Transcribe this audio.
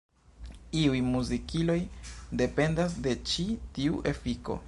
Iuj muzikiloj dependas de ĉi tiu efiko.